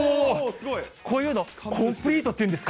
こういうの、コンプリートっていうんですか。